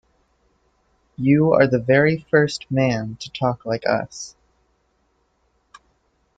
You are the very first man to talk like us.